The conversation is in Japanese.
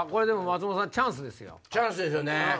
チャンスですよね。